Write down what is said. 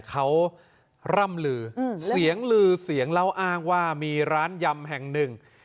เขาร่ำลือเสียงลือเสียงเล่าอ้างว่ามีร้านยำแห่งหนึ่ง